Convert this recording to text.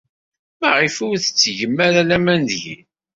Maɣef ur tettgem ara laman deg-i?